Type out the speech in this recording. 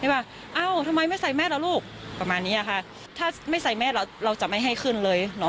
ว่าเอ้าทำไมไม่ใส่แม่ล่ะลูกประมาณนี้ค่ะถ้าไม่ใส่แม่เราเราจะไม่ให้ขึ้นเลยเหรอ